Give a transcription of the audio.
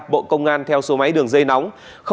bộ công an theo số máy đường dây nóng